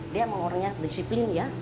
dia mau ngomongnya disiplin ya